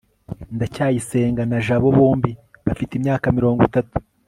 ndacyayisenga na jabo bombi bafite imyaka mirongo itatu